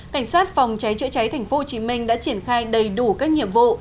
cảnh sát phòng cháy chữa cháy tp hcm đã triển khai đầy đủ các nhiệm vụ